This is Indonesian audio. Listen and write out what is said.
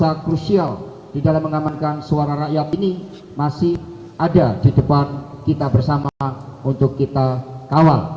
dan di masa krusial di dalam mengamankan suara rakyat ini masih ada di depan kita bersama untuk kita kawal